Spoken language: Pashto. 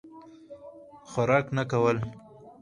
خوراک نه کول.